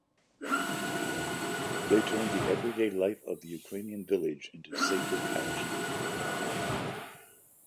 They turned the everyday life of the Ukrainian village into sacred action.